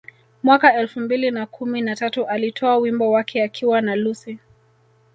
Mwaka elfu mbili na kumi na tatu alitoa wimbo wake akiwa na Lucci